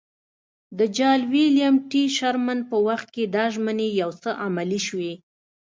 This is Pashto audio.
د جال ویلیم ټي شرمن په وخت کې دا ژمنې یو څه عملي شوې.